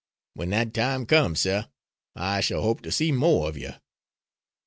When that time comes, sir, I shall hope to see more of you."